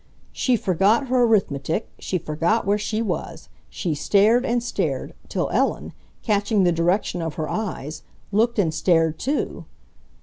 She forgot her arithmetic, she forgot where she was. She stared and stared, till Ellen, catching the direction of her eyes, looked and stared too.